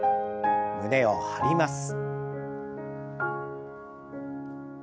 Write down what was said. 胸を張ります。